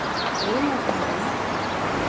Benim hatam mı?